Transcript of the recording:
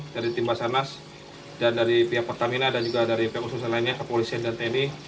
dari tim basarnas dan dari pihak pertamina dan juga dari pihak khusus lainnya kepolisian dan tni